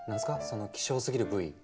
その希少すぎる部位。